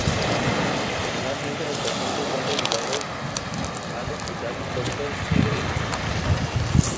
Generalmente los pacientes son derivados al Hospital Doctor Negrín.